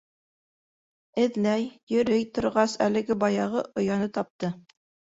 Эҙләй, йөрөй торғас, әлеге-баяғы ояны тапты.